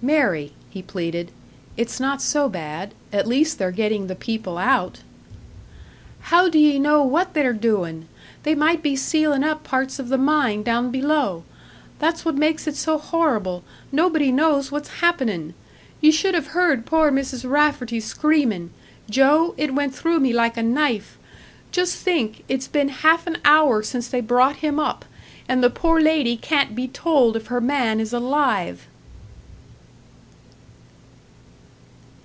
"Mary," he pleaded, "it's not so bad at least they're getting the people out." "How do ye know what they're doin'? They might be sealin' up parts of the mine down below! That's what makes it so horrible nobody knows what's happenin'! Ye should have heard poor Mrs. Rafferty screamin'. Joe, it went through me like a knife. Just think, it's been half an hour since they brought him up, and the poor lady can't be told if her man is alive."